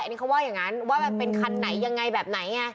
อันนี้เขาว่าอย่างนั้นว่ามันเป็นคันไหนยังไงแบบไหนไง